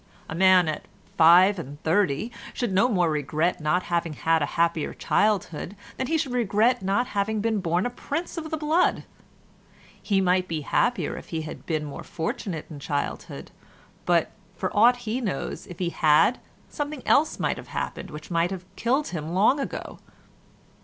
A man at five and thirty should no more regret not having had a happier childhood than he should regret not having been born a prince of the blood. He might be happier if he had been more fortunate in childhood, but, for aught he knows, if he had, something else might have happened which might have killed him long ago.